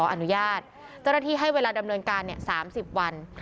อนุญาตเจ้าหน้าที่ให้เวลาดำเนินการ๓๐วัน